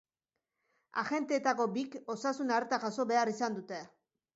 Agenteetako bik osasun arreta jaso behar izan dute.